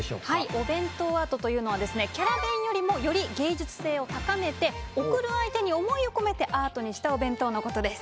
お弁当アートというのはキャラ弁よりもより芸術性を高めて送る相手に思いを込めてアートにしたお弁当のことです。